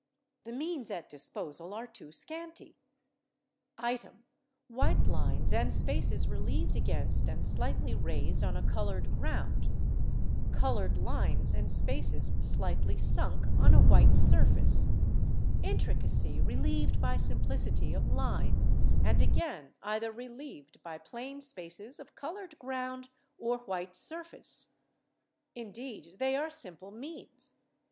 The means at disposal are too scanty. Item: white lines and spaces relieved against and slightly raised on a coloured ground; coloured lines and spaces slightly sunk on a white surface; intricacy relieved by simplicity of line, and again either relieved by plain spaces of coloured ground or white surface. Indeed they are simple means.